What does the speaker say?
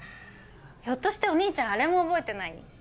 ひょっとしてお兄ちゃんあれも覚えてない？